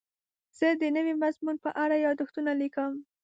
زه د نوي مضمون په اړه یادښتونه لیکم.